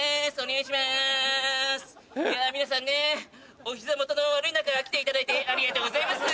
いや皆さんねお膝元の悪い中来ていただいてありがとうございますぅ。